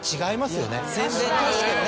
確かにね。